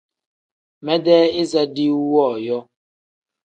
Medee iza diiwu wooyo.